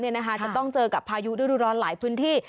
จะต้องเจอกับพายุฤดูร้อนหลายพื้นที่